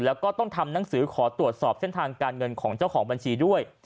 แล้วก็ต้องทำหนังสือขอตรวจสอบเส้นทางการเงินของเจ้าของบัญชีด้วย